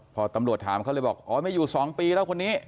พอตำรวจถามเขาเลยบอกอ๋อไม่อยู่๒ปีแล้วคนนี้